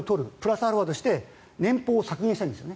プラスアルファとして年俸を削減したいんです。